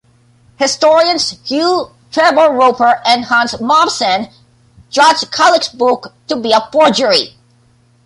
Historians Hugh Trevor-Roper and Hans Mommsen judged Calic's book to be a forgery.